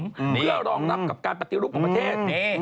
เพื่อรองรับกับการปฏิรูปของประเทศ